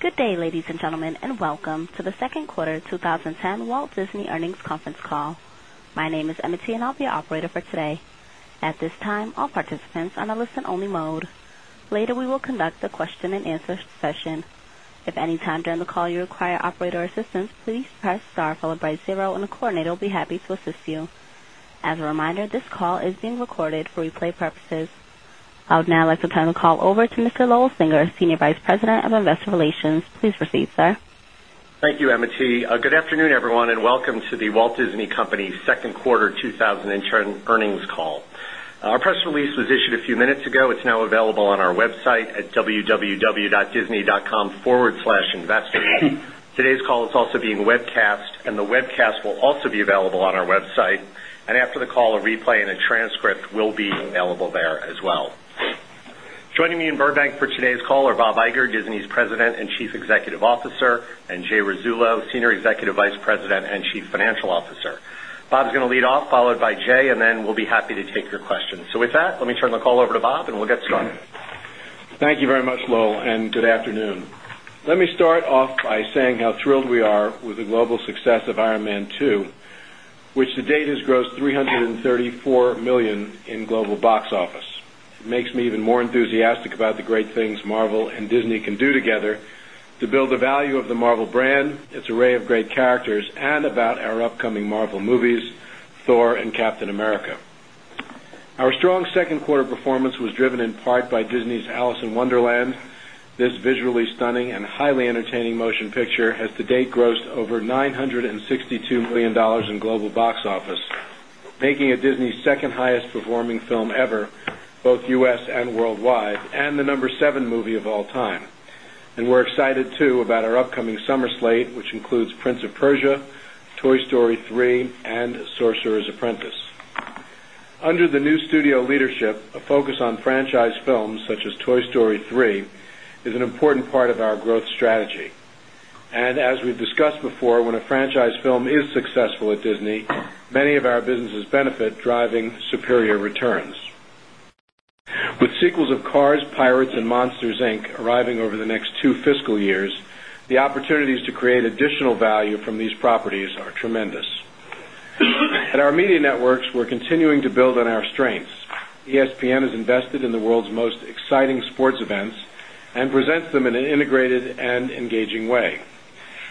Good day, ladies and gentlemen, and welcome to the Second Quarter 2010 Walt Disney Earnings Conference Call. My name is Emmettie, and I'll be your operator for today. At this time, all participants are in a listen only mode. 10. Later, we will conduct a question and answer session. 10. As a reminder, this call is being recorded for replay purposes. I would now like to turn the call over to Sir Lowell Singer, Senior Vice President of Investor Relations. Please proceed, sir. Thank you, Emmettie. Good afternoon, everyone, and welcome to The Walt Disney Company's 2nd quarter 20 10 Earnings Call. Our press release was issued a few minutes ago. It's now available on our website at www.disney.com/investors. 10. Today's call is also being webcast and the webcast will also be available on our website. And after the call, a replay and a transcript will be available 10. Joining me in Burbank for today's call are Bob Iger, Disney's President and Chief Executive Officer and Jay Rizzullo, Senior Executive Vice President and Chief Financial 10. Bob is going to lead off, followed by Jay, and then we'll be happy to take your questions. So with that, let me turn the call over to Bob, and we'll get started. Thank 10. Thank you very much, Lowell, and good afternoon. Let me start off by saying how thrilled we are with the global success of Iron Man 2, which Which to date has grossed $334,000,000 in global box office. It makes me even more enthusiastic about the great things Marvel and Disney can do together 10. To build the value of the Marvel brand, its array of great characters and about our upcoming Marvel movies, Thor and Captain America. Our 10. Strong second quarter performance was driven in part by Disney's Alice in Wonderland. This visually stunning and highly entertaining motion 10. The Picture has to date grossed over $962,000,000 in global box office, making it Disney's 2nd highest performing film ever, Both U. S. And worldwide and the number 7 movie of all time. And we're excited too about our upcoming summer slate, which includes Prince of 10. Under the new studio leadership, a focus on 10. 10. 10. With sequels of Cars, Pirates and Monsters, Inc. Arriving over the next 2 fiscal years, the opportunities to create additional value from 10. At our media networks, we're continuing to build on our strengths. ESPN has invested in the world's most exciting sports 10 and presents them in an integrated and engaging way.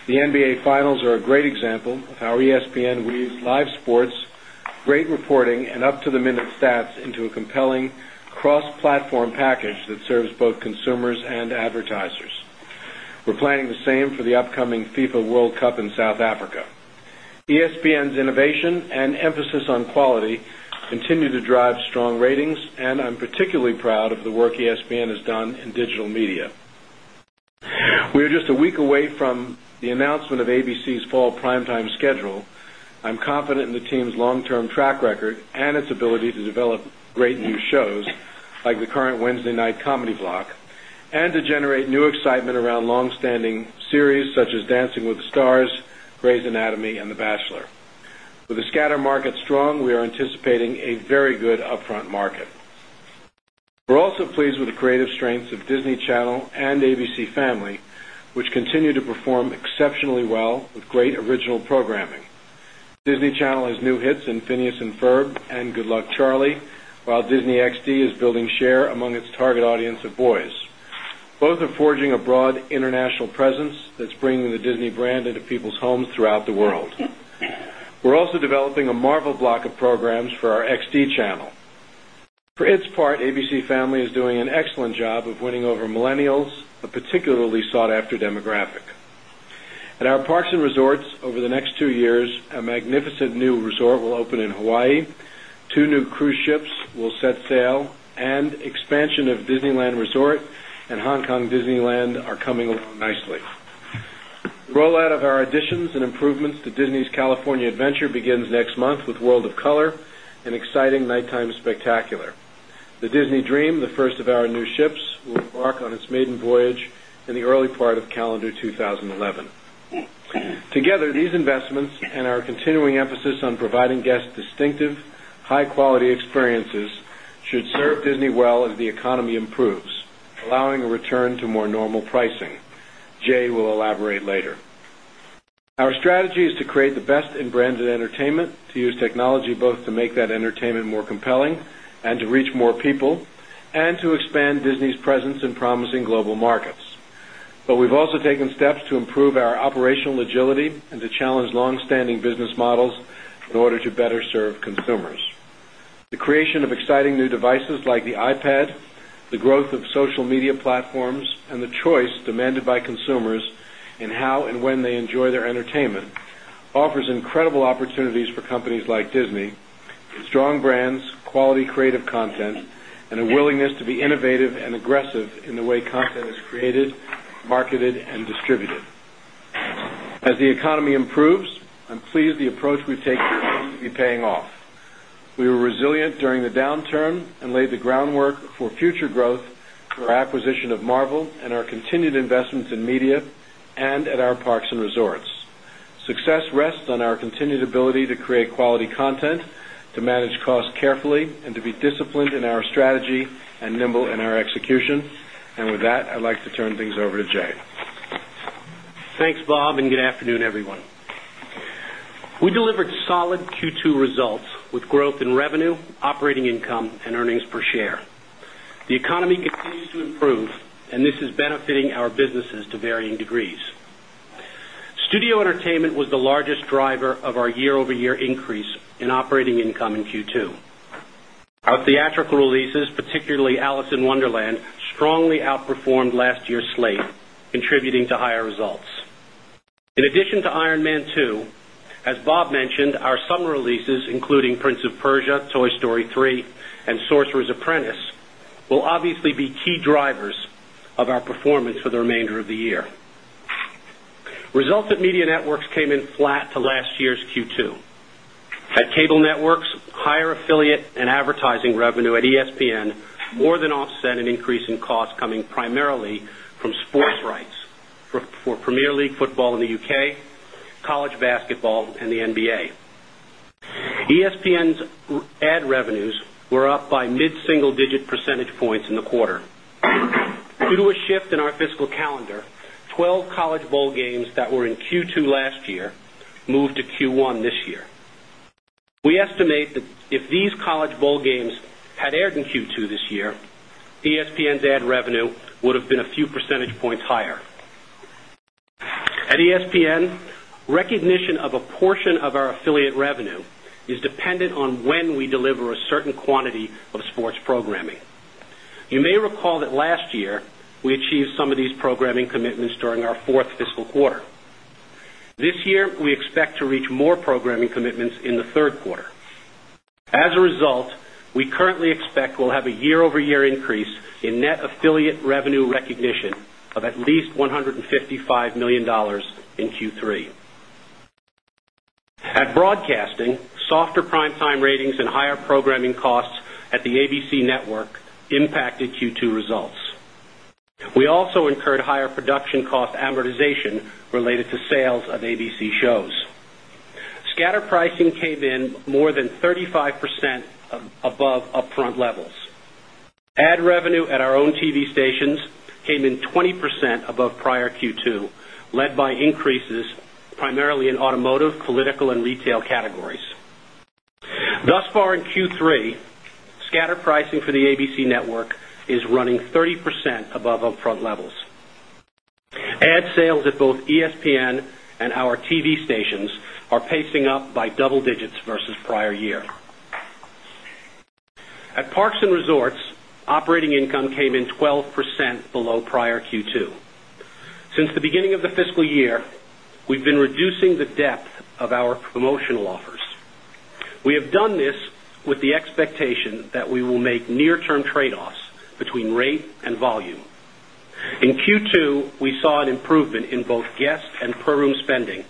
The NBA finals are a great example of how 10. 10. We're planning the same for the upcoming FIFA World Cup in South Africa. ESPN's innovation and 10. And emphasis on quality continue to drive strong ratings, and I'm particularly proud of the work ESPN has done in digital media. 10. We are just a week away from the announcement of ABC's fall primetime schedule. I'm confident in the team's long term track record and its 10. 10. Series such as Dancing With the Stars, Grey's Anatomy and The Bachelor. With the scatter market strong, we are anticipating a very good upfront market. 10. We're also pleased with the creative strengths of Disney Channel and ABC Family, which continue to perform exceptionally well with great original programming. 10. Disney Channel has new hits in Phineas and Ferb and Good Luck, Charlie, while Disney XD is building share among its target audience of boys. 10. Both are forging a broad international presence that's bringing the Disney brand into people's homes throughout the world. We're also developing a Marvel Block of programs for our XD channel. For its part, ABC Family is doing an excellent job of winning over millennials, a particularly sought after demographic. 10. At our parks and resorts, over the next 2 years, a magnificent new resort will open in Hawaii, 2 new cruise ships will set sail 10. And expansion of Disneyland Resort and Hong Kong Disneyland are coming along nicely. The rollout of our additions and improvements to Disney's California Adventure 10. The Disney Dream, the first of our new ships, will embark on 10. Welcome to the Q2 of calendar 2011. Together, these investments and our continuing emphasis on providing guests 10. Distinctive high quality experiences should serve Disney well as the economy improves, allowing a return to more normal pricing. 10. Jay will elaborate later. Our strategy is to create the best in branded entertainment to use technology both to make that entertainment more 10. And to reach more people and to expand Disney's presence in promising global markets. But we've also taken steps 10. The creation of exciting new devices like the iPad, the growth of social media platforms and the choice demanded by consumers 10 and how and when they enjoy their entertainment offers incredible opportunities for companies like Disney with strong brands, quality creative content and 10. As the economy improves, I'm pleased the approach we've 10. We were resilient during the downturn and laid the groundwork for future growth through our 10. Acquisition of Marvel and our continued investments in media and at our parks and resorts. Success rests on our continued ability to create quality 10. Thank you, Jay. Thanks, Bob, and good I'd like to turn things over to Jay. Thanks, Bob, and good afternoon, everyone. We delivered solid 10 Q2 results with growth in revenue, operating income and earnings per share. The economy continues to improve and this is benefiting our 10. Studio Entertainment was the largest driver of our year over year increase in operating income in Q2. 10. Our theatrical releases, particularly Alice in Wonderland, strongly outperformed last year's slate, contributing to higher results. 10. In addition to Iron Man 2, as Bob mentioned, our summer releases, including Prince of Persia, Toy Story 3 and Sorcerer's Apprentice will obviously be 10. Key drivers of our performance for the remainder of the year. Results at Media Networks came in flat to last year's Q2. 10. At Cable Networks, higher affiliate and advertising revenue at ESPN more than offset an increase in costs coming primarily from sports rights 10th quarter for Premier League Football in the UK, College Basketball and the NBA. ESPN's 10. Ad revenues were up by mid single digit percentage points in the quarter. Due to a shift in our fiscal calendar, 12 College Bowl games that were in Q2 10. Q2 last year moved to Q1 this year. We estimate that if these College Bowl games had aired in Q2 this year, 10. 10. The addition of a portion of our affiliate revenue is dependent on when we deliver a certain quantity of sports programming. You may recall that last year, we achieved 10. Some of these programming commitments during our 4th fiscal quarter. This year, we expect to reach more programming commitments in the 3rd quarter. 10. As a result, we currently expect we'll have a year over year increase in net affiliate revenue recognition of at least $1,000,000 in Q3. At Broadcasting, softer primetime ratings and higher programming costs at 10 10. The sales of ABC shows. Scatter pricing came in more than 35% above upfront levels. 10. Ad revenue at our own TV stations came in 20% above prior Q2, led by increases primarily in automotive, political and retail categories. Thus far in Q3, scatter pricing for the ABC network is running 30 10. Double digits versus prior year. At Parks and Resorts, operating income came in 12 10. Since the beginning of the fiscal year, we've been reducing the depth of our 10. We have done this with the expectation that we will make near term trade offs between rate and volume. 10. In Q2, we saw an improvement in both guests and per room spending,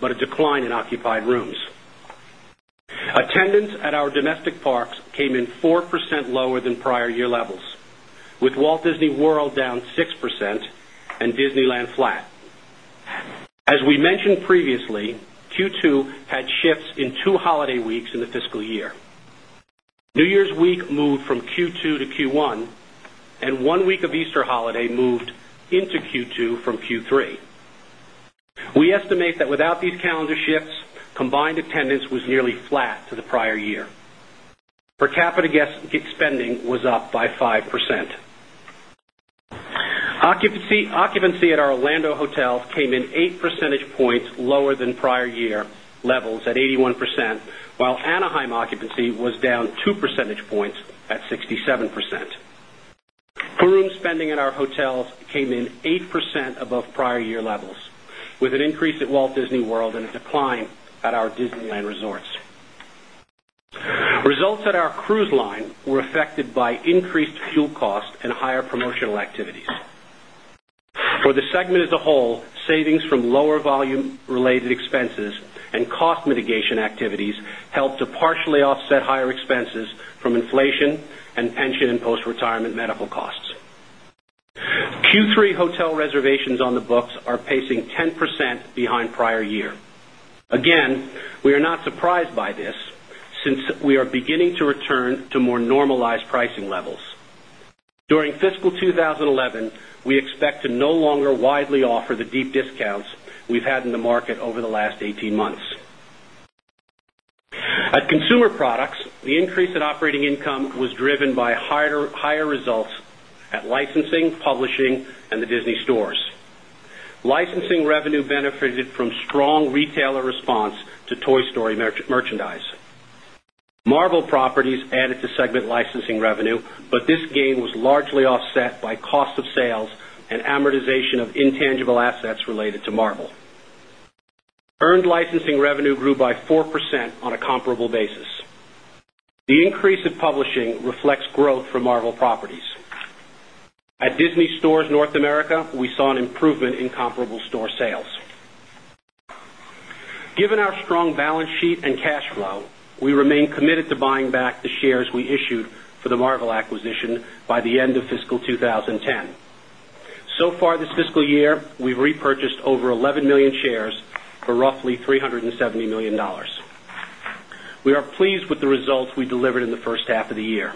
but a decline in occupied rooms. 10. Attendance at our domestic parks came in 4% lower than prior year levels with Walt Disney World down 6% and 10. As we mentioned previously, Q2 had shifts in 2 holiday weeks in the fiscal year. 10. New Year's week moved from Q2 to Q1 and 1 week of Easter holiday moved into Q2 from Q3. 10. We estimate that without these calendar shifts, combined attendance was nearly flat to the prior year. Per capita 10. Occupancy at our Orlando hotels came in 8 10. Percentage points lower than prior year levels at 81%, while Anaheim occupancy was down 2 percentage points at 67%. 10. Room spending at our hotels came in 8% above prior year levels with an increase at Walt Disney World and a decline 10 at our Disneyland Resorts. Results at our cruise line were affected by increased fuel cost and higher promotional 10. For the segment as a whole, savings from lower volume related expenses and cost mitigation activities helped to partially offset 10. Higher expenses from inflation and pension and postretirement medical costs. Q3 hotel reservations on the books are pacing 10 percent behind prior year. Again, we are not surprised by this since we are beginning to return to more normalized pricing levels. 2017. During fiscal 2011, we expect to no longer widely offer the deep discounts we've had in the market over the last 18 months. 10. At Consumer Products, the increase in operating income was driven by higher results at licensing, publishing and 10. Licensing revenue benefited from strong retailer response to Toy Story merchandise. 10. Marble properties added to segment licensing revenue, but this gain was largely offset by cost of sales and amortization of intangible assets related to marble. 10. Earned licensing revenue grew by 4% on a comparable basis. The increase in publishing reflects 10 Growth for Marvel Properties. At Disney Stores North America, we saw an improvement in comparable store sales. 10. Given our strong balance sheet and cash flow, we remain committed to buying back the shares we issued for the Marvel acquisition by the end of fiscal 2010. So far this fiscal year, we've repurchased over 11,000,000 shares for roughly $370,000,000 We We are pleased with the results we delivered in the first half of the year.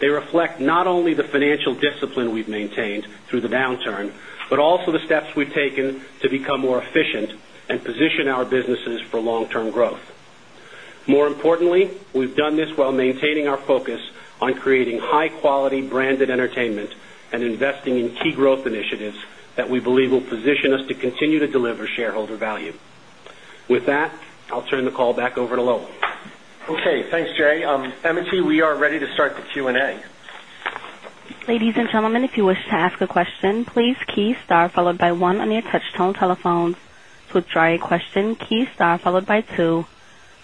They reflect not only the financial discipline we've maintained through the downturn, but also the steps we've 10. We've taken to become more efficient and position our businesses for long term growth. More importantly, we've done 10. This while maintaining our focus on creating high quality branded entertainment and investing in key growth initiatives that we believe will position 10. With that, I'll turn the call back over to Lobo. Okay. Thanks, Jay. 10.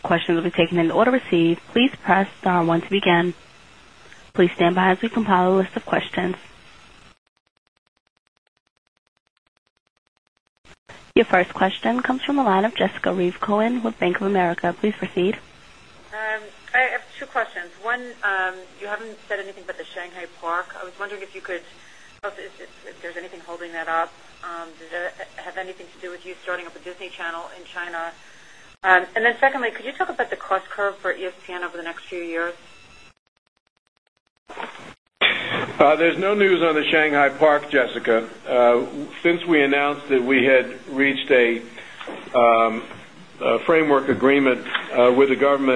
10. Your first question comes from the line of Jessica Reif Cohen with Bank of America. Please proceed. I have two questions. 1, you You haven't said anything about the Shanghai Park. I was wondering if you could if there's anything holding that up. Does that have anything to do with you starting up a Disney channel in China? 10. And then secondly, could you talk about the cost curve for ESPN over the next few years? There's no news on the 10. Shanghai Park, Jessica. Since we announced that we had reached a framework agreement with 10.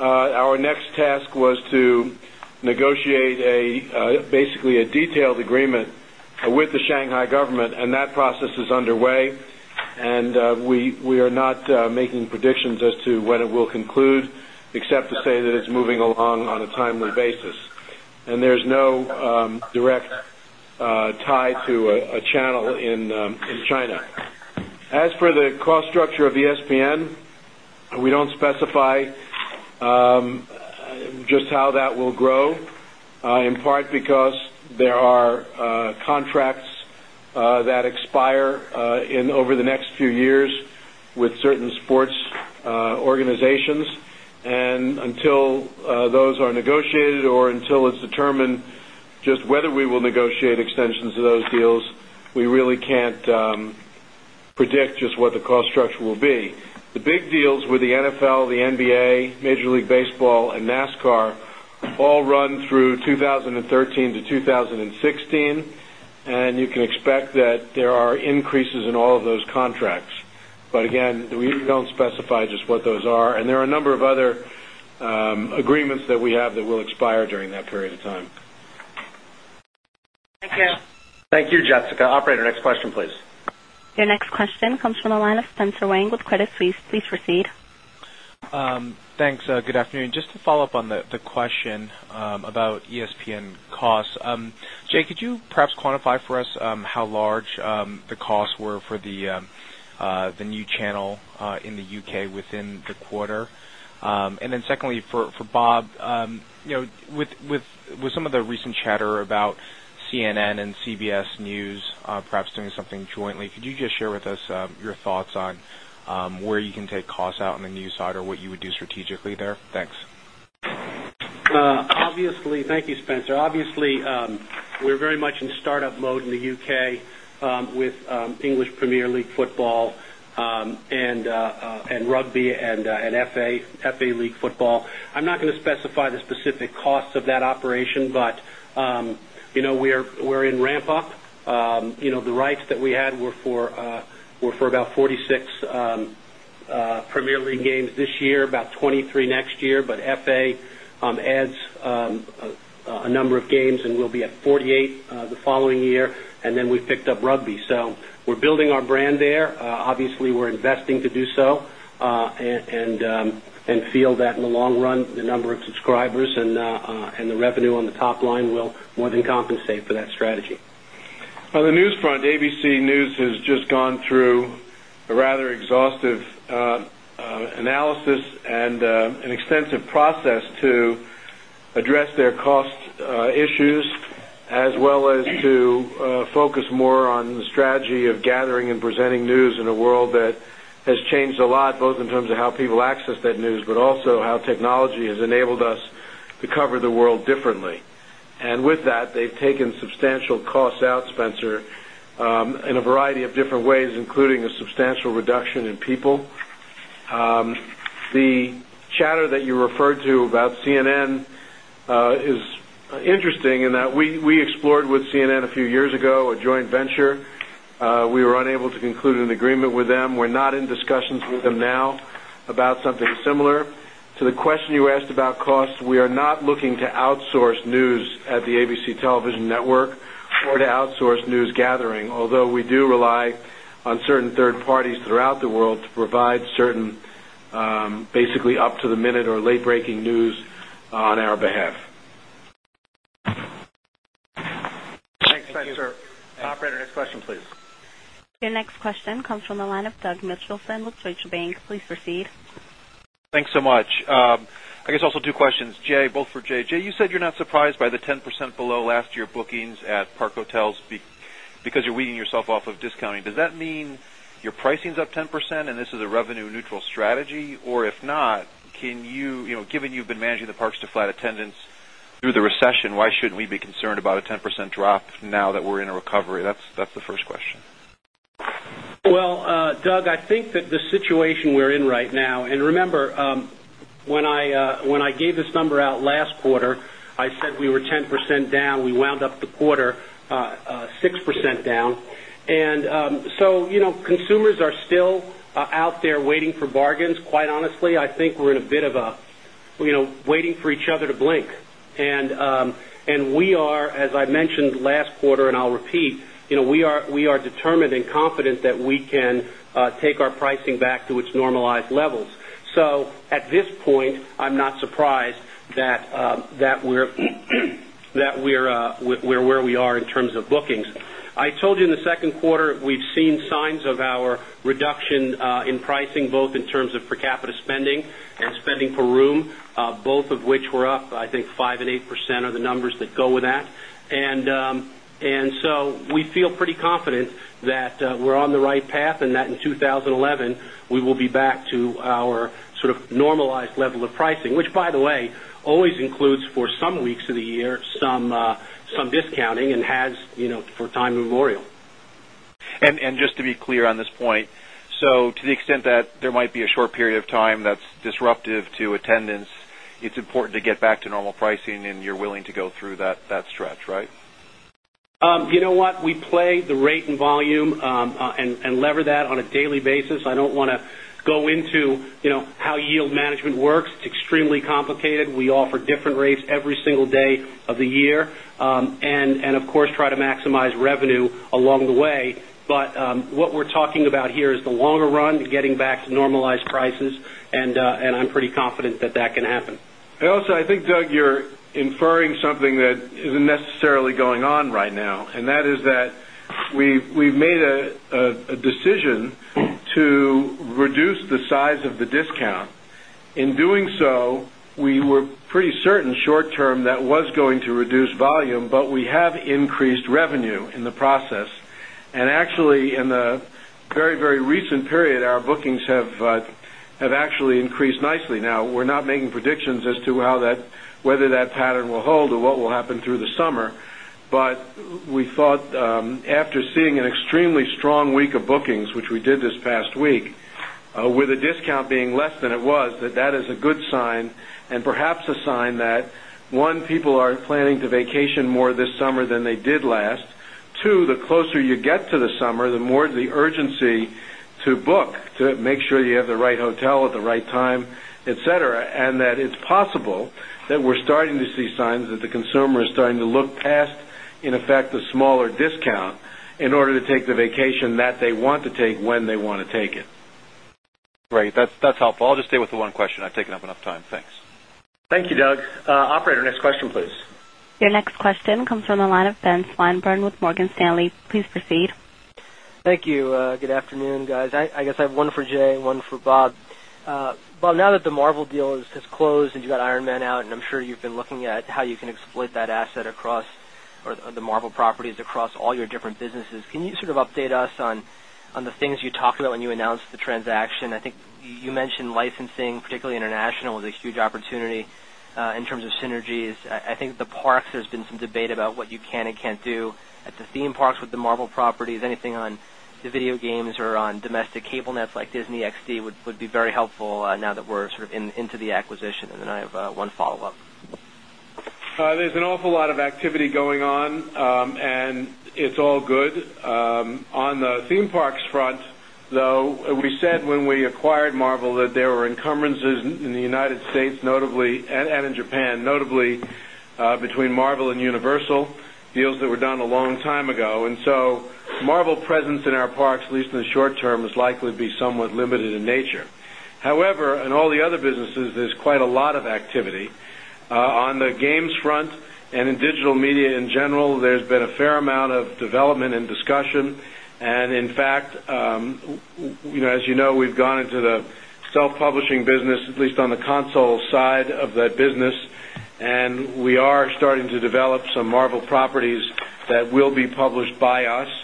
Our next task was to negotiate 10. Basically, a detailed agreement with the Shanghai government and that process is underway. And 10. We are not making predictions as to when it will conclude except to say that it's moving along on a timely basis. 10. And there is no direct tie to a channel in China. As for the cost structure of ESPN, 10. We don't specify just how that will grow in part because there are contracts 10. That expire in over the next few years with certain sports organizations. And until 10. Those are negotiated or until it's determined just whether we will negotiate extensions of those deals, we really can't 10. Predict just what the cost structure will be. The big deals with the NFL, the NBA, Major League Baseball and NASCAR all run through 2013 to 16. And you can expect that there are increases in all of those contracts. But again, we We don't specify just what those are. And there are a number of other agreements that we have that will expire during that period of time. 10. Thank you, Jessica. Operator, next question please. Your next question comes from the line of Spencer Wang with Credit Suisse. Please proceed. 10. Thanks. Good afternoon. Just to follow-up on the question about ESPN costs. Jay, could you 10. Perhaps quantify for us how large the costs were for the new channel in the UK within the quarter? And then secondly, 10. For Bob, with some of the recent chatter about CNN and CBS News Perhaps doing something jointly. Could you just share with us your thoughts on where you can take costs out in the new side or what you would do strategically there? Thanks. 10. Thank you, Spencer. Obviously, we're very much in start up mode in the UK with English Premier League Football 10 and Rugby and FA League Football. I'm not going to specify the specific costs of that operation, but we are 10. We're in ramp up. The rights that we had were for about 46 Premier League games this year, about 23 next year. But F. 10. Today adds a number of games and we'll be at 48 the following year and then we picked up rugby. So we're 10. We're building our brand there. Obviously, we're investing to do so and feel that in the long run, the number of subscribers and the revenue on the 10. On the news front, ABC News has just gone through a rather 10. Analysis and an extensive process to address their cost issues as well as to 10. Focus more on the strategy of gathering and presenting news in a world that has changed a lot both in terms of how people access that news, 10. But also how technology has enabled us to cover the world differently. And with that, they've taken substantial costs out, Spencer, 10 in a variety of different ways, including a substantial reduction in people. The 10. Chatter that you referred to about CNN is interesting in that we explored with CNN a few years ago, a joint venture. 10. We were unable to conclude an agreement with them. We're not in discussions with them now about something similar. To the question you asked about costs, we are not 10. Looking to outsource news at the ABC Television Network or to outsource news gathering, although we do rely on certain third parties throughout 10. J. Rice:] The world to provide certain basically up to the minute or late breaking news on our behalf. 10. Thanks, sir. Operator, next question please. Your next question comes from the line of Doug Mitchelson with Deutsche Bank. Please proceed. Thanks so much. I guess also two questions, Jay, both for Jay. Jay, you said you're not surprised by the 10% below last year bookings at Park Hotels 10. Because you're weeding yourself off of discounting, does that mean your pricing is up 10% and this is a revenue neutral strategy or if not, 10. Given you've been managing the parks to flat attendance through the recession, why shouldn't we be concerned about a 10% drop now that we're in a recovery? That's the first question. 10. Well, Doug, I think that the situation we're in right now and remember, when I gave this number out last 10. I said we were 10% down. We wound up the quarter 6% down. And so consumers are still 10. Out there waiting for bargains, quite honestly, I think we're in a bit of a waiting for each other to blink. And we are, as I mentioned last quarter. And I'll repeat, we are determined and confident that we can take our pricing back to its normalized levels. So at this point, I'm not 10. I'm surprised that we're where we are in terms of bookings. I told you in the second quarter, we've seen 10. Of our reduction in pricing both in terms of per capita spending and spending per room, both of which 10. I think 5% 8% are the numbers that go with that. And so we feel pretty confident that we're on 10. The right path and that in 2011, we will be back to our sort of normalized level of pricing, which by the way always includes for 10. Some weeks of the year, some discounting and has for time immemorial. And just to be clear on this point, 10. So to the extent that there might be a short period of time that's disruptive to attendance, it's important to get back to normal pricing and you're willing to go through that stretch, right? 10. You know what, we play the rate and volume and lever that on a daily basis. I don't want to go into how yield management 10. It's extremely complicated. We offer different rates every single day of the year and, of course, try to maximize revenue along 10. But what we're talking about here is the longer run, getting back to normalized prices, and I'm pretty confident that that can happen. And also, I think, Doug, you're 10. Inferring something that isn't necessarily going on right now, and that is that we've made a decision to reduce the 10. In doing so, we were pretty certain short term that was going to reduce volume, but we have increased revenue 10. And actually, in the very, very recent period, our bookings have actually increased nicely. Now, we're not making 10. As to how that whether that pattern will hold or what will happen through the summer, but we thought after 10. Seeing an extremely strong week of bookings, which we did this past week, with a discount being less than it was, that that is a good sign and Perhaps a sign that, 1, people are planning to vacation more this summer than they did last 2, the closer you get to the summer, the more 10. The urgency to book to make sure you have the right hotel at the right time, etcetera, and that it's possible that we're starting to 10. Signs that the consumer is starting to look past, in effect, the smaller discount in order to take the vacation that they want to take when they want to take it. 10. Great. That's helpful. I'll just stay with the one question. I've taken up enough time. Thanks. Thank you, Doug. Operator, next question please. Your next 10. Question comes from the line of Ben Swinburne with Morgan Stanley. Please proceed. Thank you. Good afternoon, guys. I guess I have one for Jay, one for Bob. Bob, now 10. Now that the Marvel deal has closed and you got Ironman out, and I'm sure you've been looking at how you can exploit that asset across the Marvel properties across 10. Can you sort of update us on the things you talked about when you announced the transaction? I think you mentioned licensing, particularly 10. International is a huge opportunity in terms of synergies. I think the parks has been some debate about what you can and can't do at the theme parks with the Marvel properties, anything on the 10. Video games are on domestic cable nets like Disney XD would be very helpful now that we're sort of into the acquisition. And then I have one follow-up. 10. There's an awful lot of activity going on, and it's all good. On the theme parks front, though, we said 10. When we acquired Marvel that there were encumbrances in the United States notably and in Japan, notably between Marvel and Universal, deals that were done a long 10. And so Marvel presence in our parks, at least in the short term, is likely to be somewhat limited in nature. However, in all the other businesses, 10. There's quite a lot of activity. On the games front and in digital media in general, there's been a fair amount of development and 10. And in fact, as you know, we've gone into the self publishing business, at least on the console side of 10. And we are starting to develop some Marvel properties that will be published by us.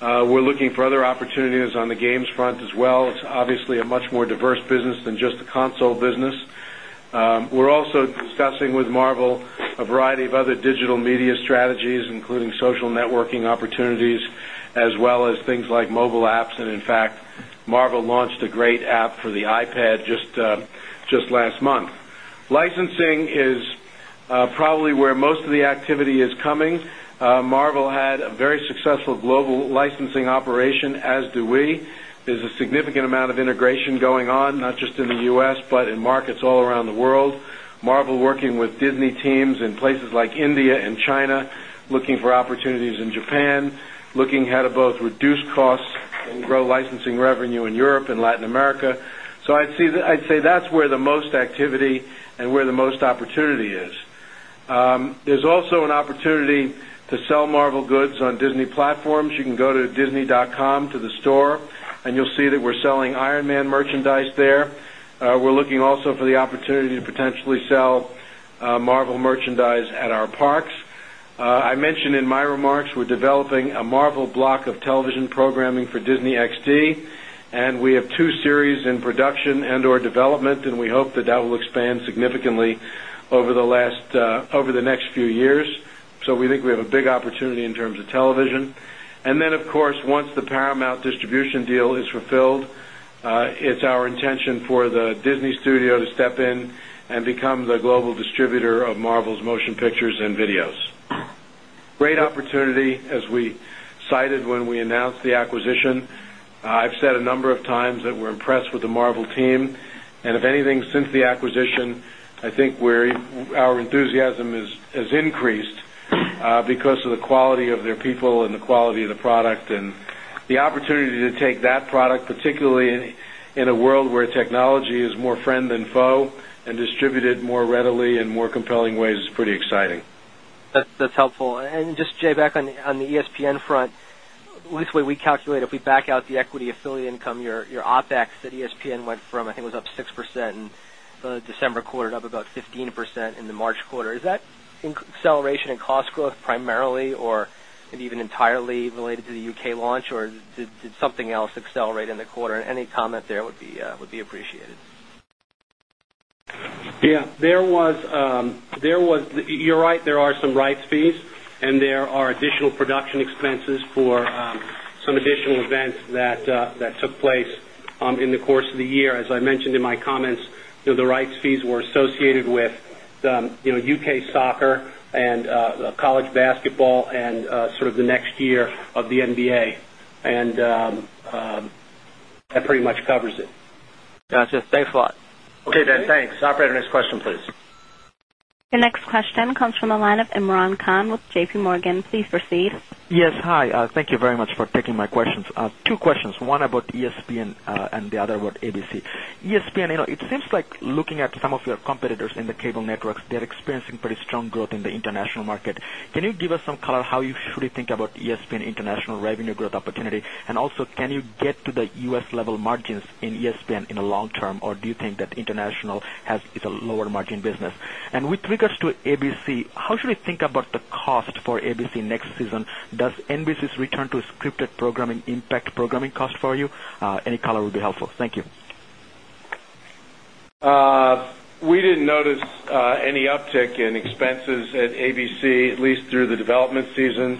We're looking for other 10. On the games front as well, it's obviously a much more diverse business than just the console business. We're also 10. Discussing with Marvel a variety of other digital media strategies, including social networking opportunities as well as things 10. Like mobile apps and in fact, Marva launched a great app for the iPad just last month. Licensing 10. The next thing is probably where most of the activity is coming. Marvel had a very successful global licensing operation as do we. There's a significant 10. Amount of integration going on, not just in the U. S, but in markets all around the world. Marvel working with Disney teams in places like India and China, looking 10. Looking ahead of both reduce costs and grow licensing revenue in Europe and Latin America. So 10. I'd say that's where the most activity and where the most opportunity is. There's also an opportunity to sell Marvel 10. On Disney platforms, you can go to disney.com to the store and you'll see that we're selling Iron Man merchandise there. We're looking also 10. The opportunity to potentially sell Marvel merchandise at our parks. I mentioned in my remarks, we're developing a 10 Marvel Block of Television Programming for Disney XD, and we have 2 series in production and or development, and we hope that, that will expand 10. Over the next few years, so we think we have a big opportunity in terms of television. And 10. And then of course, once the Paramount distribution deal is fulfilled, it's our intention for the Disney studio to step in and become the global distributor of Marvel's 10 Motion Pictures and Videos. Great opportunity as we cited when we announced the acquisition. I've said 10. A number of times that we're impressed with the Marvel team. And if anything, since the acquisition, I think we're our enthusiasm has increased 10. Because of the quality of their people and the quality of the product and the opportunity to take that product, particularly in a world where 10. Technology is more friend than foe and distributed more readily in more compelling ways is pretty exciting. That's helpful. And 10. Jay back on the ESPN front, at least we calculate if we back out the equity affiliate income, your OpEx at ESPN went from, I It was up 6% in the December quarter, up about 15% in the March quarter. Is that acceleration in cost growth primarily or 10. And even entirely related to the UK launch or did something else accelerate in the quarter? Any comment there would be appreciated. 10. Yes. There was you're right, there are some rights fees and there are 10. Production expenses for some additional events that took place in the course of the year. As I mentioned in my comments, 10. The rights fees were associated with UK Soccer and college basketball and sort of the next year of the NBA. 10. And that pretty much covers it. Got you. Thanks a lot. Okay, Ben. Thanks. Operator, next question please. Your next question comes from the line of Imran Khan with JPMorgan. Please proceed. Yes. Hi. Thank you very much for taking my questions. Two questions, one about 10. ESPN and the other word ABC. ESPN, it seems like looking at some of your competitors in the cable networks, they're experiencing pretty strong growth in the international market. Can you give us some 10. How should we think about ESPN International revenue growth opportunity? And also, can you get to the U. S. Level margins in ESPN 10. Long term or do you think that international has is a lower margin business? And with regards to ABC, how should we think about the cost for ABC 10. Does NBSIs return to scripted programming impact programming cost for you? Any color would be helpful. Thank you. 10. We didn't notice any uptick in expenses at ABC, at least through the development season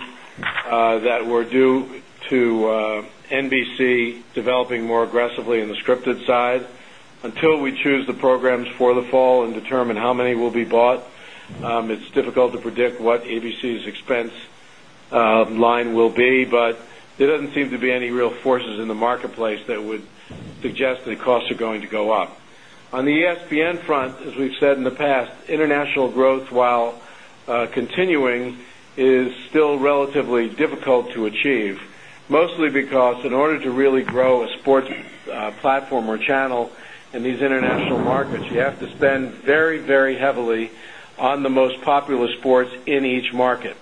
10. That were due to NBC developing more aggressively in the scripted side. Until 10. We choose the programs for the fall and determine how many will be bought. It's difficult to predict what ABC's expense 10. Line will be, but there doesn't seem to be any real forces in the marketplace that would suggest that costs are going to go up. On the ESPN front, 10. As we've said in the past, international growth, while continuing, is still relatively difficult to achieve, mostly because in order 10. To really grow a sports platform or channel in these international markets, you have to spend very, very heavily 10. On the most popular sports in each market.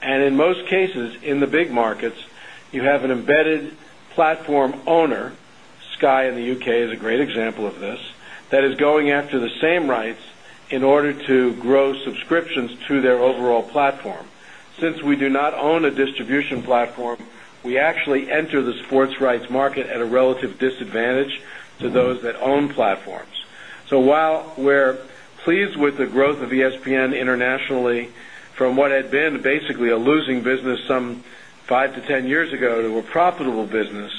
And in most cases, in the big markets, you have an embedded platform owner, 10. Sky in the U. K. Is a great example of this that is going after the same rights in order to grow subscriptions to their overall platform. 10. Since we do not own a distribution platform, we actually enter the sports rights market at a relative disadvantage to 10. So while we're pleased with the growth of ESPN internationally from what 10. Basically, a losing business some 5 to 10 years ago to a profitable business,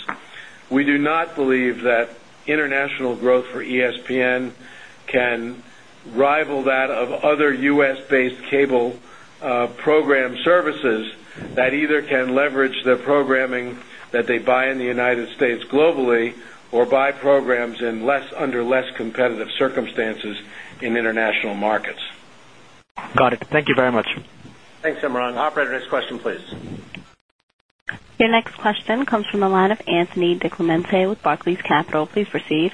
we do not believe 10. International growth for ESPN can rival that of other U. S.-based cable program services 10. That either can leverage the programming that they buy in the United States globally or buy programs in less under less competitive circumstances in 10. Got it. Thank you very much. Thanks, Imran. Operator, next question please. Your next question comes from the line of Anthony DiClemente with Police Capital. Please proceed.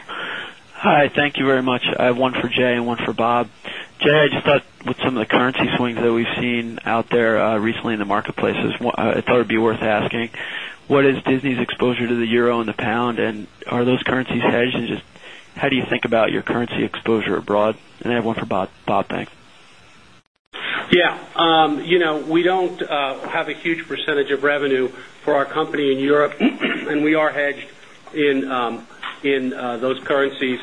Hi. Thank you very much. I have one for Jay and one for Bob. Jay, I just thought with some of the currency swings that we've seen out there recently in the market 10. I thought it would be worth asking, what is Disney's exposure to the euro and the pound? And are those currencies hedged? And just how do you think about your currency exposure abroad? And I have 10. Yes. We don't have a huge percentage of revenue for our company in Europe, 10. And we are hedged in those currencies.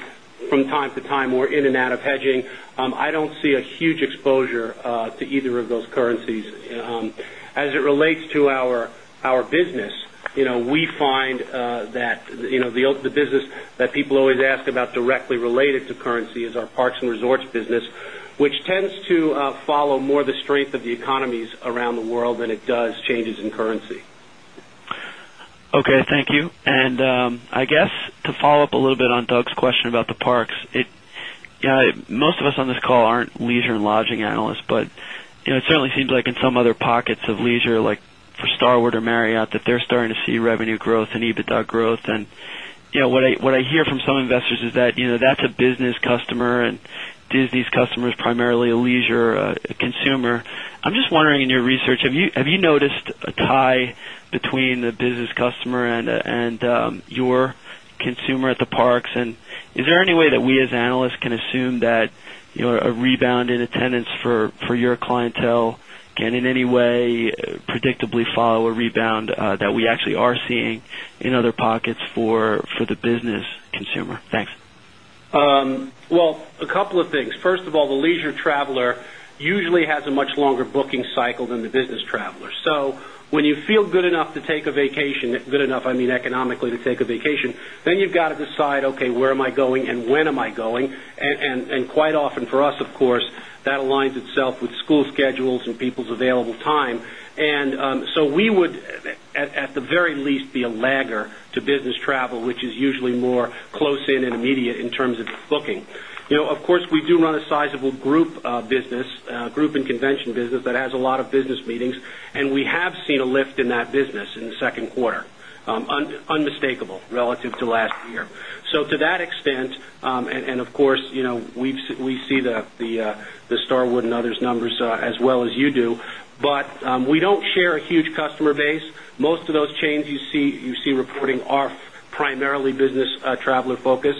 From time to time, we're in and out of hedging. I don't see a huge exposure to either of those 10. As it relates to our business, we find that the business that people always ask about 10. Related to currency is our Parks and Resorts business, which tends to follow more the strength of the economies around the world than it does changes in 10. Okay. Thank you. And I guess to follow-up a little bit on Doug's question about the parks. 10. Most of us on this call aren't leisure and lodging analysts, but it certainly seems like in some other pockets of leisure like for Starwood or Marriott that they're 10. What I hear from some investors is that that's a business customer and 10 Disney's customer is primarily a leisure consumer. I'm just wondering in your research, have you noticed a tie 10. We in the business customer and your consumer at the parks. And is there any way that we as analysts can assume that 10. A rebound in attendance for your clientele can in any way predictably follow a rebound that we actually are 10. Well, a couple of things. First of 10. Well, the leisure traveler usually has a much longer booking cycle than the business traveler. So when you feel 10. Good enough, I mean, economically to take a vacation. Then you've got to decide, okay, where am I going and when am I going. And quite often for us, of course, that aligns itself with school schedules and people's available time. And so we 10. And so we would, at the very least, be a lagger to business travel, which is usually more close 10. In terms of booking, of course, we do run a sizable group business, group and convention business that has 10. And we have seen a lift in that business in the 2nd quarter, unmistakable relative to last year. So to that 10. And of course, we see the Starwood and others numbers as well as you do. 10. But we don't share a huge customer base. Most of those chains you see reporting are primarily business 10.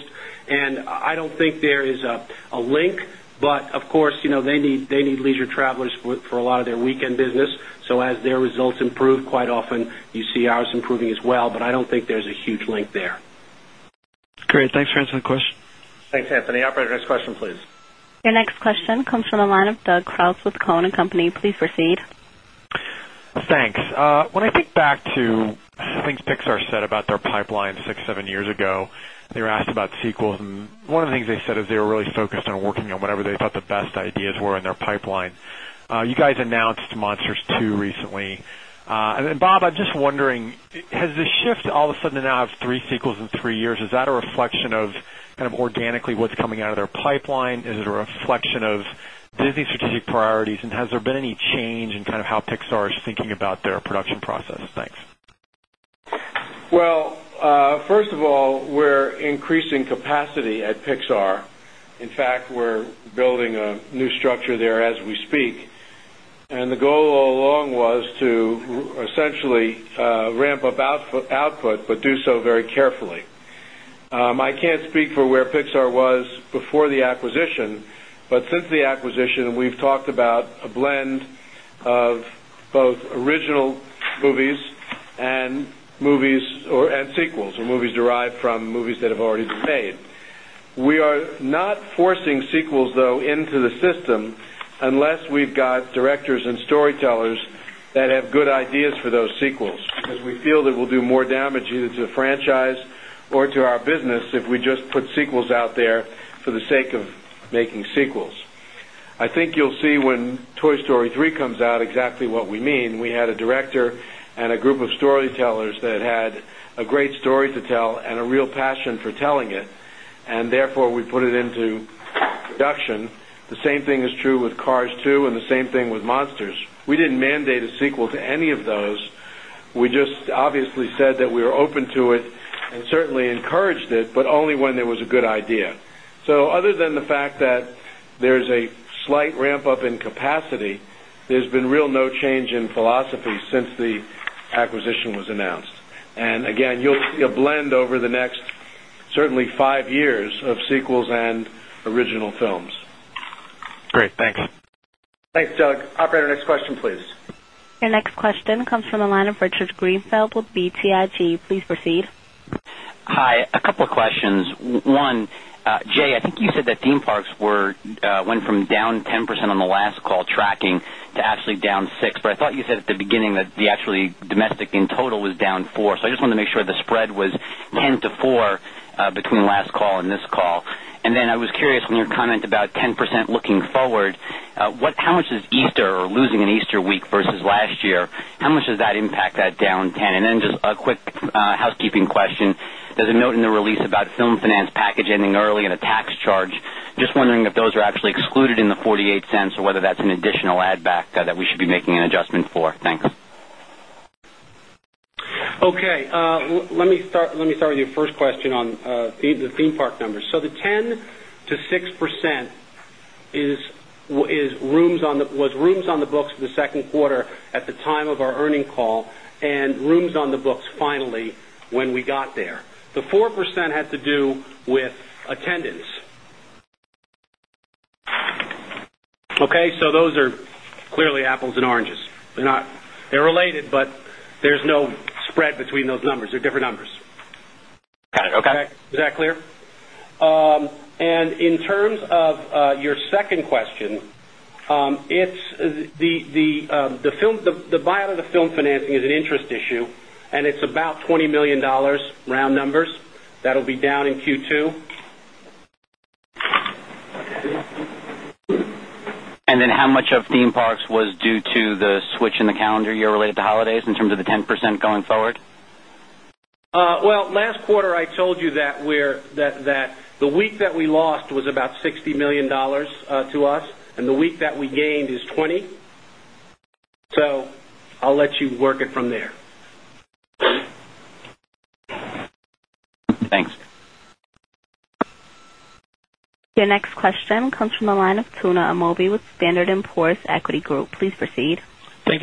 And I don't think there is a link, but of course, they need leisure travelers for a lot of their 10 business. So as their results improve, quite often you see ours improving as well, but I don't think there's a huge link there. 10. Great. Thanks for answering the question. Thanks, Anthony. Operator, next question please. Your next question comes from the line of Doug Krause with Cowen and Company. Please proceed. 10. Thanks. When I think back to the things Pixar said about their pipeline 6, 7 years ago, they were asked about sequels and one of the things they said is they were Focused on working on whatever they thought the best ideas were in their pipeline. You guys announced Monsters 2 recently. And then Bob, I'm just wondering, 10. Has the shift all of a sudden now have 3 sequels in 3 years? Is that a reflection of kind of organically what's coming out of their pipeline? Is it 10. Reflection of Disney's strategic priorities and has there been any change in kind of how Pixar is thinking about their production process? Thanks. 10. Well, first of all, we're increasing capacity at Pixar. In fact, we're 10. We're building a new structure there as we speak. And the goal all along was to essentially 10. I can't speak for where Pixar was before 10. But since the acquisition, we've talked about a blend of both original movies 10. And sequels, the movies derived from movies that have already been made. We are not forcing sequels though into the system unless we've got directors 10. And storytellers that have good ideas for those sequels because we feel that we'll do more damage either to the franchise or to our business If we just put sequels out there for the sake of making sequels. I think you'll see when Toy Story 3 comes out exactly what we mean. We had a director and a group of storytellers that had a great story to tell and a real passion for telling it. And therefore, we put it into 10. The same thing is true with Cars 2 and the same thing with Monsters. We didn't mandate a sequel to any of those. We just obviously said that we were open to 10. And certainly encouraged it, but only when there was a good idea. So other than the fact that there is a slight ramp up in capacity, 10. There's been real no change in philosophy since the acquisition was announced. And again, you'll see a blend over the next certainly 5 years of sequels 10. And original films. Great. Thanks. Thanks, Doug. Operator, next question please. Your next question comes from the line of ten. A couple of questions. One, Jay, I think you said that theme parks went from down 10% 10. On the last call tracking to actually down 6%, but I thought you said at the beginning that the actually domestic in total was down 4%. So I just want to make sure the spread was 10 10. And then I was curious on your comment about 10% looking forward, what how 10. Losing an Easter week versus last year, how much does that impact that down 10? And then just a quick housekeeping question. There's a note in the release about film finance package 10. Gending early in a tax charge. Just wondering if those are actually excluded in the $0.48 or whether that's an additional add back that we should be making an adjustment for? Thanks. 10. Okay. Let me start with your first question on the theme park numbers. So the 10% to 6 10. And is rooms on the was rooms on the books in the 2nd quarter at the time of our earning call and rooms 10. Finally, when we got there. The 4% had to do with attendance. 10. Okay. So those are clearly apples and oranges. They're not they're related, but there's no Spread between those numbers. They're different numbers. Got it. Okay. Is that clear? And in terms of your second question, 10. The buyout of the film financing is an interest issue and it's about $20,000,000 round 10. The numbers that will be down in Q2. And And then how much of theme parks was due to the switch in the calendar year related to holidays in terms of the 10% going forward? 10. Well, last quarter, I told you that the week that we lost was about $60,000,000 to 10. And the week that we gained is 20. So I'll let you work it from there. 10. Thanks. Your next question comes from the line of Tuna Amobee with Standard and Poor's Equity Group. Please proceed. 10.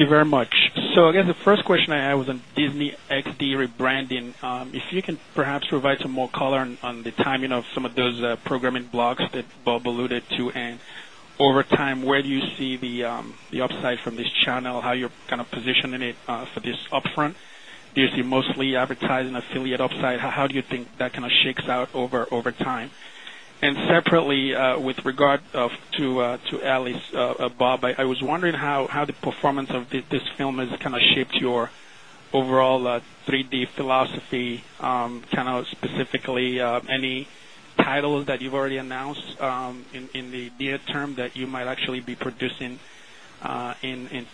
So I guess the first question I had was on Disney XD rebranding. If you can perhaps provide some more color on the 10. Timing of some of those programming blocks that Bob alluded to and over time, where do you see the upside from this channel? How you're kind of positioning it for this up 10. You see mostly advertising affiliate upside. How do you think that kind of shakes out over time? And separately, with regard 10. To Alice, Bob, I was wondering how the performance of this film has kind of shaped your overall 10. 3 d philosophy, kind of specifically any titles that you've already announced in the near term that you might actually be 10. And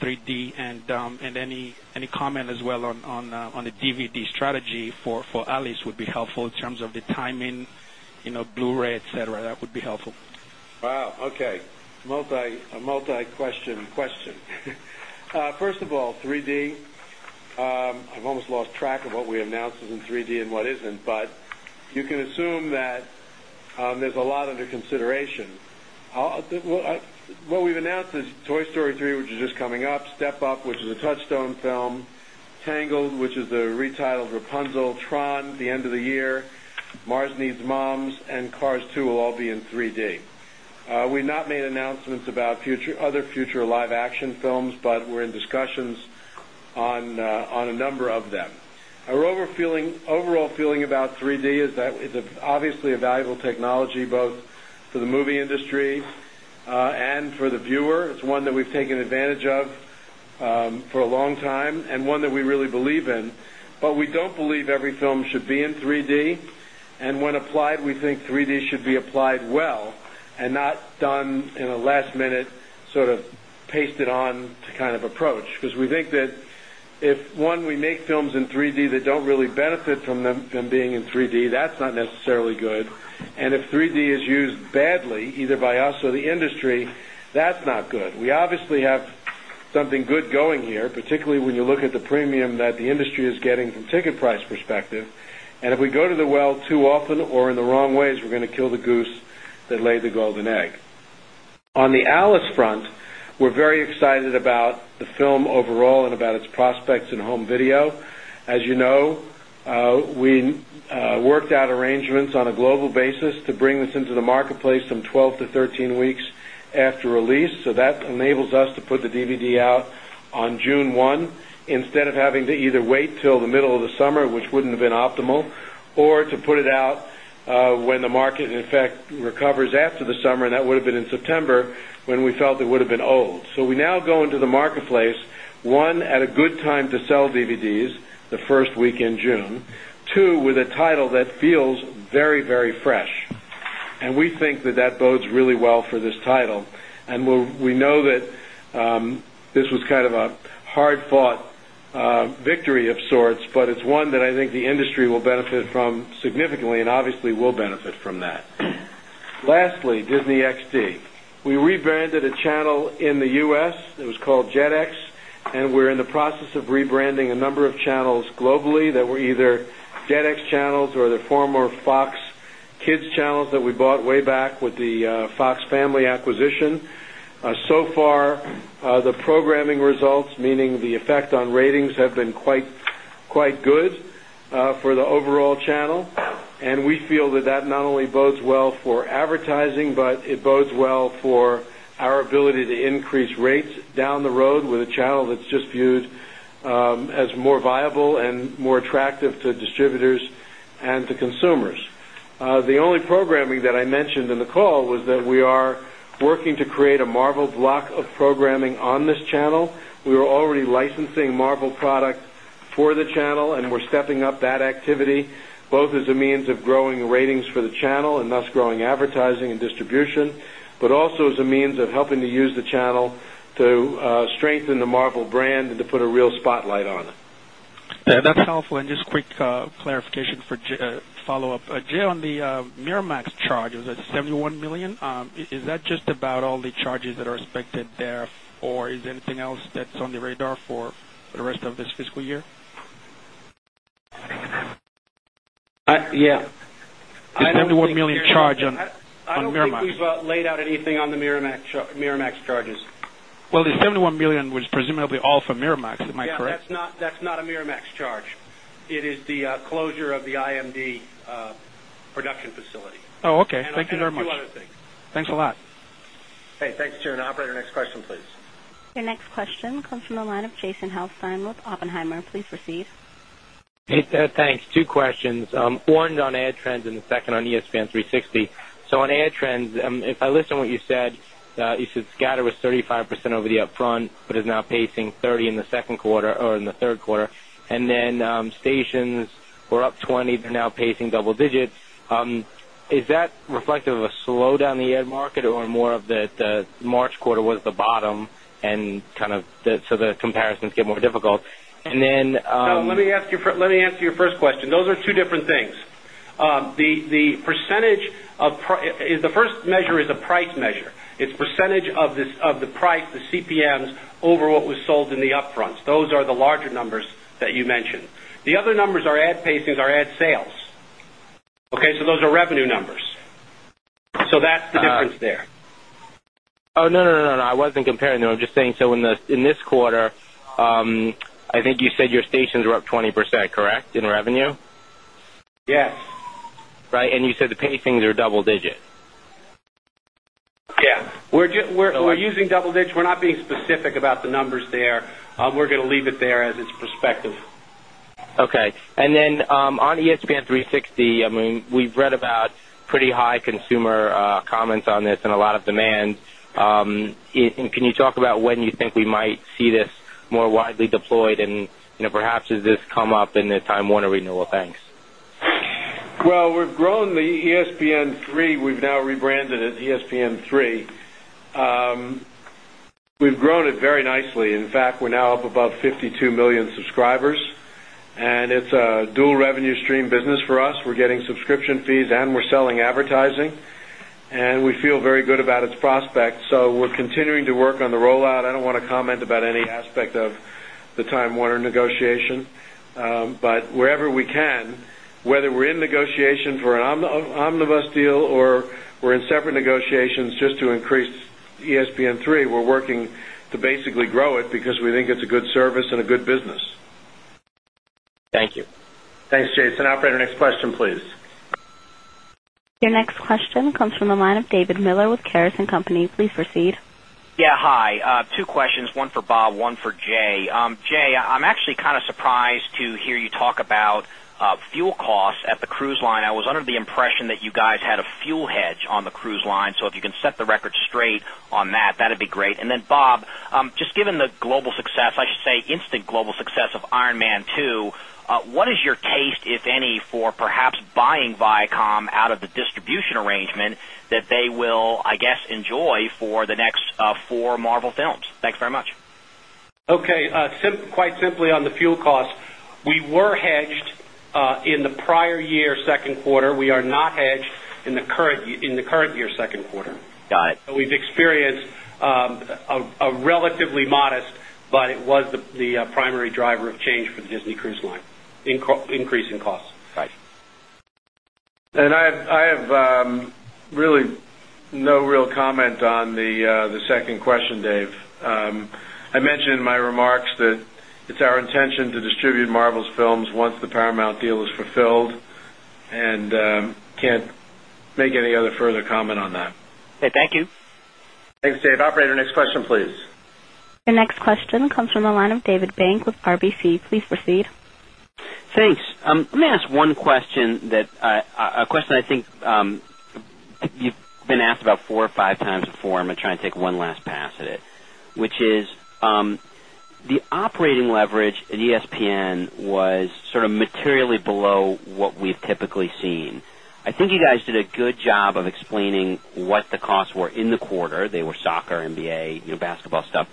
any comment as well on the DVD strategy for Alice would be helpful in terms of the 10. Timing, Blu ray, etcetera, that would be helpful. Wow, okay. Multi question question. First First of all, 3 d, I've almost lost track of what we announced in 3 d and what isn't, but you can assume that 10. There's a lot under consideration. What we've announced is Toy Story 3, which is just coming up Step Up, which is a touchstone film 10. Tangled, which is the retitled Rapunzel, Tron, The End of the Year, Mars Needs Moms and Cars 2 will all be in 3 d. We've not made announcements 10. Other future live action films, but we're in discussions on a number of them. Our overall 10. Feeling about 3 d is that it's obviously a valuable technology both for the movie industry and for the viewer. It's one 10. We've taken advantage of for a long time and one that we really believe in, but we don't believe every film should be in 3 d. 10. And when applied, we think 3 d should be applied well and not done in a last minute sort of 10. Paste it on to kind of approach because we think that if, one, we make films in 3 d that don't really benefit from them being in 3 d, that's not 10. And if 3 d is used badly either by us or the industry, that's not good. We obviously have something good going here, 10. Particularly when you look at the premium that the industry is getting from ticket price perspective, and if we go to the well too often or in the wrong ways, we're going to kill the goose that laid the golden 10. On the Alice front, we're very excited about the film overall and about its prospects in home video. As you know, 10. We worked out arrangements on a global basis to bring this into the marketplace from 12 to 13 weeks after release. So that enables us to put the DVD 10. On June 1, instead of having to either wait till the middle of the summer, which wouldn't have been optimal or to put it out 10. When the market, in fact, recovers after the summer, and that would have been in September when we felt it would have been old. So we now go into the marketplace, 1, at a good time 10. To sell DVDs the 1st week in June, 2 with a title that feels very, very fresh. And we think that, that bodes really well for this title. 10. And we know that this was kind of a hard fought victory of sorts, but 10. It's one that I think the industry will benefit from significantly and obviously will benefit from that. Lastly, Disney XD. We rebranded a channel 10. In the U. S, it was called Jet X, and we're in the process of rebranding a number of channels globally that were either 10. FedEx channels or the former Fox Kids channels that we bought way back with the Fox Family acquisition. So far, the programming 10. Results, meaning the effect on ratings, have been quite good for the overall channel. And we feel that, that not only bodes well for 10. But it bodes well for our ability to increase rates down the road with a channel that's just viewed 10. As more viable and more attractive to distributors and to consumers. The only programming that I mentioned in the call was that we are 10. Working to create a Marvel block of programming on this channel, we are already licensing Marvel product for the channel and we're stepping up that activity 10, both as a means of growing ratings for the channel and thus growing advertising and distribution, but also as a means of helping 10. Use the channel to strengthen the Marvel brand and to put a real spotlight on it. That's helpful. And just quick clarification for ten. Jay, on the Miramax charge, it was at $71,000,000 Is that just about all the charges that are expected there? 10. Or is there anything else that's on the radar for the rest of this fiscal year? 10. Yes. The $71,000,000 charge on Miramax. I think we've laid out anything on the Miramax charges. Well, the $71,000,000 was presumably 10. Of a Miramax, am I correct? Yes. That's not a Miramax charge. It is the closure of the IMD production facility. Okay. Thank you very much. Thanks 10. Thanks, Jun. Operator, next question please. Your next question comes from the line of Jason Helfstein with Oppenheimer. Please proceed. 10. Thanks. Two questions. 1 on ad trends and the second on ESPN 360. So on ad trends, if I listen what you said, you said 10. Was 35% over the upfront, but is now pacing 30% in the second quarter or in the third quarter. And then, stations were up 20%, they're now pacing double digits. 10. Is that reflective of a slowdown in the ad market or more of the March quarter was the bottom and kind of 10. So the comparisons get more difficult. And then Let me answer your first question. Those are 2 different things. 10. The first measure is a price measure. It's percentage of the price, the CPMs over what was sold in the upfronts. Those are the 10. The other numbers are ad pacings, are ad sales. Okay, so those are revenue numbers. So that's the difference there. 10. No, no, no, no, no. I wasn't comparing them. I'm just saying so in this quarter, I think you said your stations were up 20%, correct, in revenue? 10. Yes. Right. And you said the pay things are double digit? Yes. We're using double digit. We're not being 10. Specific about the numbers there. We're going to leave it there as its perspective. Okay. And then on ESPN 360, I mean, we've read about 10. Pretty high consumer comments on this and a lot of demand. Can you talk about when you think we might see this more widely deployed and 10. Perhaps has this come up in the Time Warner renewal? Thanks. Well, we've grown the ESPN3. We've now 10. We've grown it very nicely. In fact, we're now up above 52,000,000 subscribers, and it's 10. It's a dual revenue stream business for us. We're getting subscription fees and we're selling advertising, and we feel very good about its prospects. So we're continuing to work on 10. The rollout, I don't want to comment about any aspect of the Time Warner negotiation. But wherever we can, whether we're 10. We're in separate negotiations just to increase ESPN3. We're working to basically grow it because we think 10. It's a good service and a good business. Thank you. Thanks, Jason. Operator, next question please. Your next question comes from the line of David Miller with Keyurice and Company. Please proceed. Yes, hi. Two questions, one for Bob, one for Jay. Jay, I'm actually kind 10. Surprise to hear you talk about fuel costs at the cruise line. I was under the impression that you guys had a fuel hedge on the cruise line. So if you can set the record straight 10. And then Bob, just given the global success, I should say, instant global success of Ironman 2, what is your taste, if any, for perhaps 10. Buying Viacom out of the distribution arrangement that they will, I guess, enjoy for the next 4 Marvel films. Thanks very much. 10. Okay. Quite simply on the fuel costs, we were hedged in the prior year Q2. We 10. We're not hedged in the current year's Q2. Got it. We've experienced a relatively modest, but 10. It was the primary driver of change for the Disney Cruise Line, increase in costs. And I have really 10. No real comment on the second question, Dave. I mentioned in my remarks that it's our intention to distribute Marvel's films 10. The Paramount deal is fulfilled and can't make any other further comment on that. Okay. Thank you. Thanks, Thanks, Dave. Operator, next question please. The next question comes from the line of David Bank with RBC. Please proceed. Thanks. 10. May I ask one question that a question I think you've been asked about 4 or 5 times before, I'm I'll take one last pass at it, which is the operating leverage at ESPN was 10. I think you guys did a good job of explaining what the costs were in quarter. They were soccer, NBA, basketball stuff.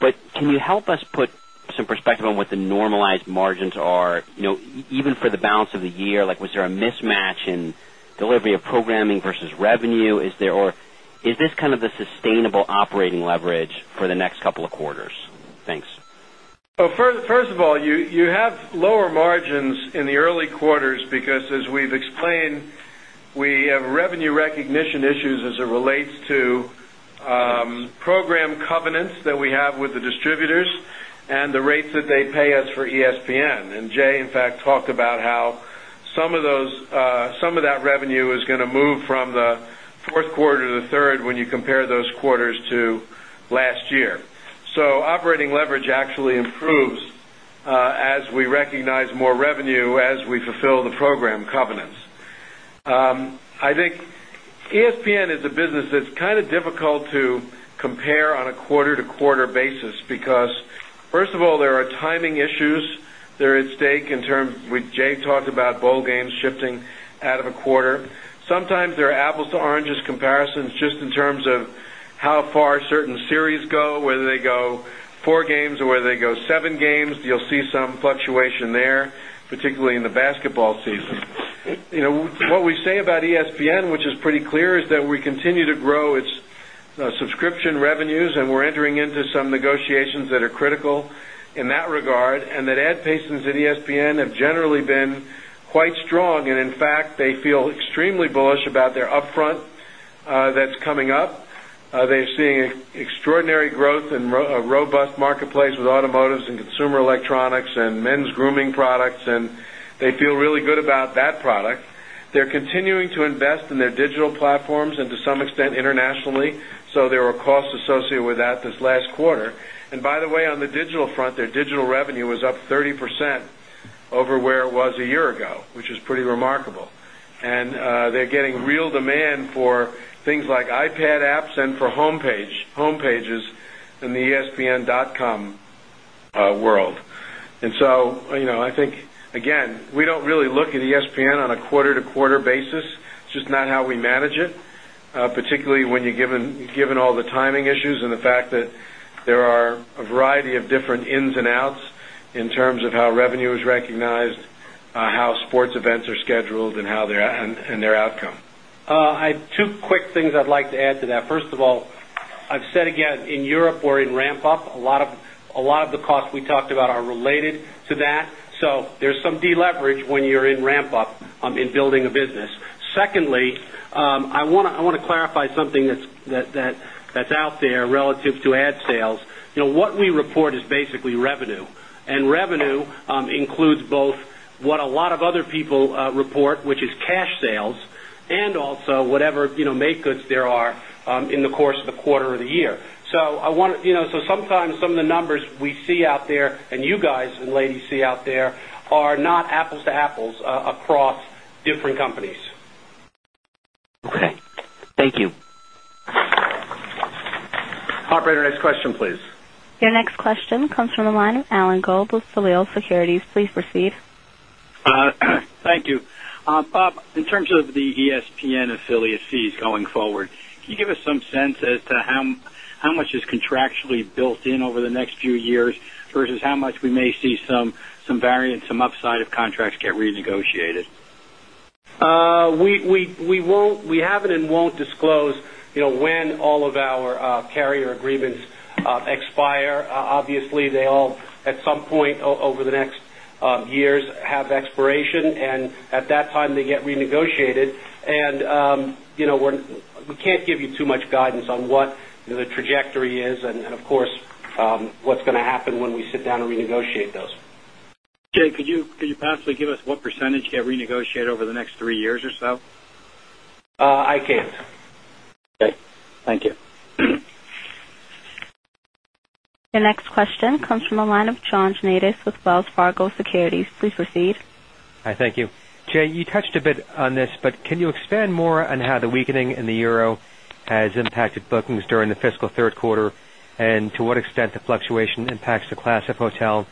But can you help us put some perspective on what the normalized margins 10. Even for the balance of the year, like was there a mismatch in delivery of programming versus revenue? Is there or is this kind of 10. First of all, you have lower margins in the early 10. Because as we've explained, we have revenue recognition issues as it relates to program 10. Covenants that we have with the distributors and the rates that they pay us for ESPN. And Jay, in fact, talked about how some of those some of that revenue is 10. It's going to move from the Q4 to 3rd when you compare those quarters to last year. So operating leverage actually improves 10. As we recognize more revenue as we fulfill the program covenants. I think ESPN is 10. The business is kind of difficult to compare on a quarter to quarter basis because first of all, there are timing issues that are at stake 10. Jay talked about bowl games shifting out of a quarter. Sometimes there are apples to oranges comparisons just in 10. How far certain series go, whether they go 4 games or whether they go 7 games, you'll see some 10. There, particularly in the basketball season. What we say about ESPN, which is pretty clear, is that we continue to grow its 10 subscription revenues and we're entering into some negotiations that are critical in that regard and that ad 10. Have generally been quite strong and in fact, they feel extremely bullish about their upfront that's coming up. They're seeing extraordinary 10. Growth in a robust marketplace with automotives and consumer electronics and men's grooming products, and they feel really good about that 10 product. They're continuing to invest in their digital platforms and to some extent internationally, so there were costs associated with that this last quarter. And by the way, on the Digital front, their digital revenue was up 30% over where it was a year ago, which is pretty remarkable. And 10. They're getting real demand for things like iPad apps and for homepages in the espn.com 10. World. And so, I think, again, we don't really look at ESPN on a quarter to quarter basis. It's just not how 10. We manage it, particularly when you given all the timing issues and the fact that there are a variety of different ins 10. In terms of how revenue is recognized, how sports events are scheduled and how their and their outcome. I have 2 quick things I'd like to add to 10. First of all, I've said again, in Europe, we're in ramp up. A lot of the costs we talked about are related to that. So there's some deleverage when 10. You're in ramp up in building a business. Secondly, I want to clarify something that's out there relative to ad 10. What we report is basically revenue. And revenue includes both what a lot of other people report, which is cash sales and also 10. Whatever made goods there are in the course of the quarter of the year. So I want to so sometimes some of the numbers we see out there and you guys 10. You see out there are not apples to apples across different companies. Okay. 10. Thank you. Operator, next question please. Your next question comes from the line of Alan Gould with Salil Securities. Please proceed. 10. Thank you. Bob, in terms of the ESPN affiliate fees going forward, can you give us some sense as to 10. How much is contractually built in over the next few years versus how much we may see some variance, some upside of contracts get renegotiated? 10. We haven't and won't disclose when all of our carrier agreements 10. Obviously, they all, at some point over the next years, have expiration. And at that time, 10. And we can't give you too much guidance on what the trajectory is 10. And of course, what's going to happen when we sit down and renegotiate those. Jay, could you possibly give us what percentage you have renegotiated over the next 3 years or so? 10. Hi, Keith. Okay. Thank you. The next question comes from the line of 10. Jay, you touched a bit on this, but can you expand more on how the weakening in the euro 10. Has impacted bookings during the fiscal Q3 and to what extent the fluctuation impacts the Class F hotel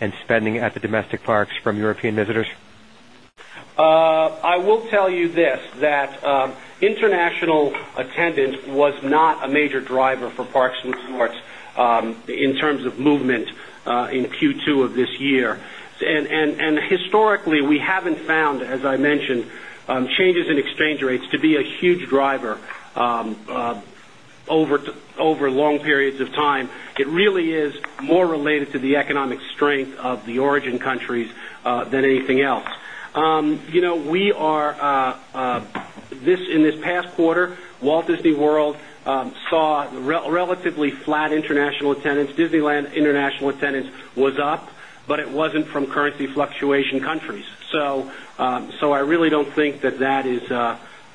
and spending at the domestic parks from European visitors? 10. I will tell you this that international attendance was not a major driver for parks and 10. In terms of movement in Q2 of this year. And historically, we haven't found, as I mentioned, changes in exchange 10. 10. Related to the economic strength of the origin countries than anything else. We are in this past quarter, Walt 10. Disney World saw relatively flat international attendance. Disneyland international attendance was up, but it wasn't from currency fluctuation countries. 10. So I really don't think that,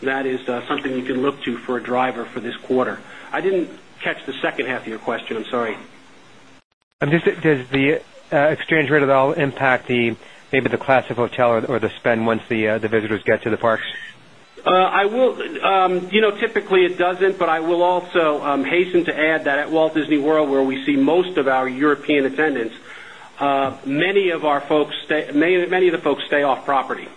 that is something you can look to for a driver for this quarter. I didn't catch the second half of your question. I'm sorry. 10. Does the exchange rate at all impact the maybe the classic hotel or the spend once the visitors get to the parks? 10. Typically, it doesn't, but I will also hasten to add that at Walt Disney World, where we see most of our 10. Many of our folks stay many of the folks stay off property.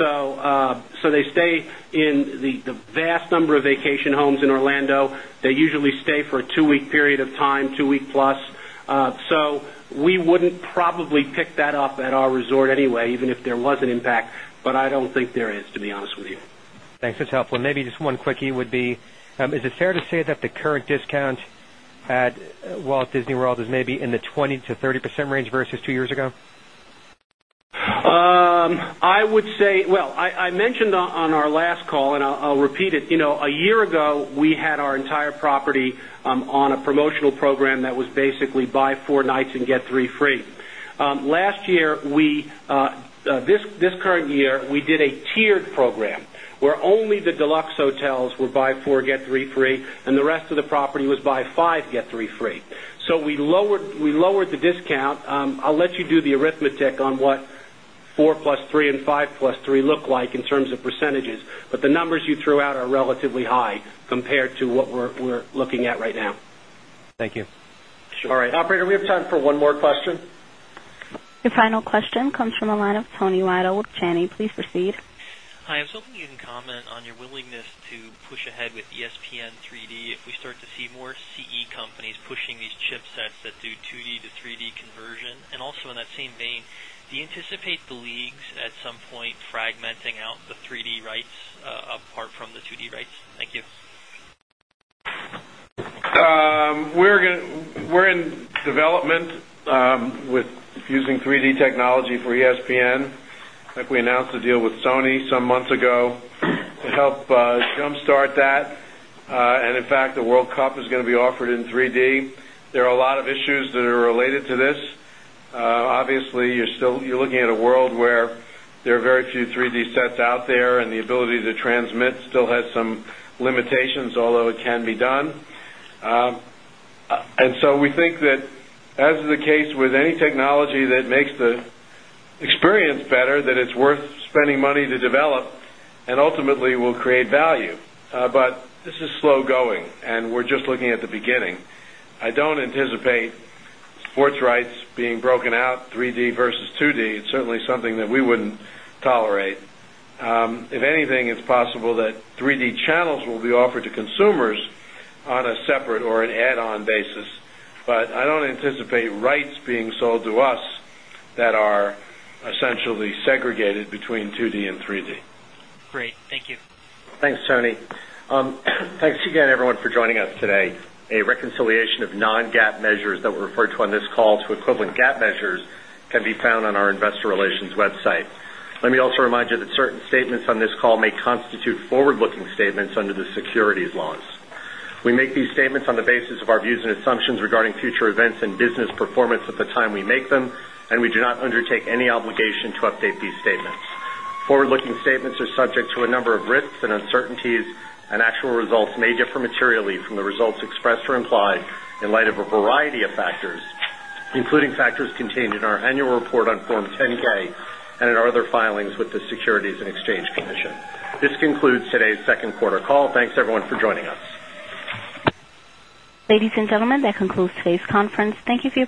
So they stay in the vast 10. Number of vacation homes in Orlando, they usually stay for a 2 week period of time, 2 week plus. So we wouldn't probably pick 10. That off at our resort anyway, even if there was an impact, but I don't think there is, to be honest with you. Thanks. That's helpful. And maybe just one quickie would be, is Is it fair to say that the current discount at Walt Disney World is maybe in the 20% to 30% range versus 2 years ago? 10. I would say well, I mentioned on our last call and I'll repeat it. A year ago, we 10. We had our entire property on a promotional program that was basically buy 4 nights and get 3 free. Last year, we 10. This current year, we did a tiered program where only the deluxe hotels were buy 4, get 3 free and the rest of the property was buy 5, get 3 free. So 10. We lowered the discount. I'll let you do the arithmetic on what 4 +3 10. But the numbers you threw out are relatively high compared to what we're looking at right now. Thank you. 10. All right. Operator, we have time for one more question. Your final question comes from the line of Tony Rydell with Janney. Please proceed. 10. Hi. I was hoping you can comment on your willingness to push ahead with ESPN 3 d, if we start to see more CE companies pushing these chipsets that 10. 2 d to 3 d conversion and also in that same vein, do you anticipate the leagues at some point fragmenting out the 3 d rights apart from the 2 d rights? 10. We're in development with 10. 3 d Technology for ESPN. Like we announced a deal with Sony some months ago to help jumpstart that. And in fact, the World Cup is going to be offered in 3 d. There are a lot of issues that are related to this. Obviously, you're still you're looking at a world 10. There are very few 3 d sets out there and the ability to transmit still has some limitations, although it can be done. 10. And so we think that as is the case with any technology that makes the experience better that it's worth spending money to develop 10. And ultimately, we'll create value, but this is slow going and we're just looking at the beginning. I don't anticipate 10. Sports rights being broken out, 3 d versus 2 d, it's certainly something that we wouldn't tolerate. If anything, it's possible that 10. 3 d channels will be offered to consumers on a separate or an add on basis, but I don't anticipate rights being sold to us that are 10. Essentially segregated between 2 d and 3 d. Great. Thank you. Thanks, Tony. Thanks again, everyone, for joining us 10. A reconciliation of non GAAP measures that we'll refer to on this call to equivalent GAAP measures can be found on our Investor 10th Solutions website. Let me also remind you that certain statements on this call may constitute forward looking statements under the securities laws. We make these statements 10. On the basis of our views and assumptions regarding future events and business performance at the time we make them, and we do not undertake any obligation to safety statements. Forward looking statements are subject to a number of risks and uncertainties, and actual results may differ materially from the results expressed or implied in light of a variety of factors, including factors contained in our annual report on Form 10 ks and in our other filings with the Securities and Exchange 10th edition. This concludes today's Q2 call. Thanks, everyone, for joining us. Ladies and gentlemen, that concludes today's conference. Thank you for